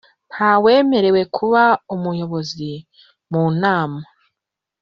Nta wemerewe kuba umuyobozi mu nama